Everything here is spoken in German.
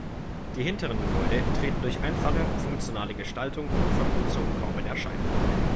Die hinteren Gebäude treten durch einfache, funktionale Gestaltung und Verputzung kaum in Erscheinung.